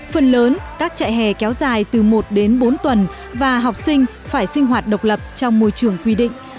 phần lớn các chạy hè kéo dài từ một đến bốn tuần và học sinh phải sinh hoạt độc lập trong môi trường quy định